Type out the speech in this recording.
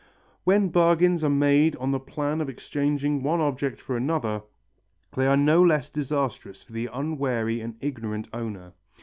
When bargains are made on the plan of exchanging one object for another, they are no less disastrous for the unwary and ignorant owner.